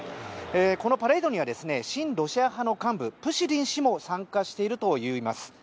このパレードには親ロシア派の幹部プシリン氏も参加しているといいます。